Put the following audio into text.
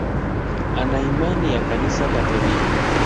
Ana imani ya Kanisa Katoliki.